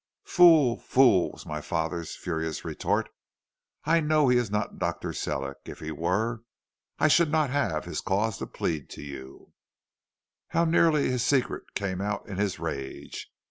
"'Fool! fool!' was my father's furious retort. 'I know he is not Dr. Sellick. If he were I should not have his cause to plead to you.' "How nearly his secret came out in his rage.